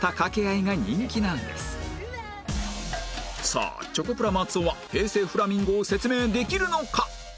さあチョコプラ松尾は平成フラミンゴを説明できるのか？